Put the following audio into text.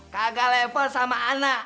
kagak level sama anak